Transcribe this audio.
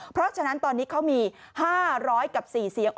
เพราะฉะนั้นตอนนี้เขามี๕๐๐กับ๔เสียง